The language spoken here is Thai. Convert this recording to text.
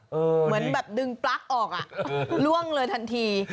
เหมือนแบบดึงปลั๊กออกอ่ะล่วงเลยทันที